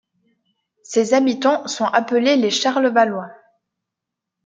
Ses habitants sont appelés les Charlevalois.